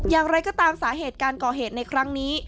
อย่างไรก็ตามสาเหตุการก่อเหตุในครั้งนี้